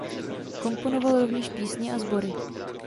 Komponoval rovněž písně a sbory.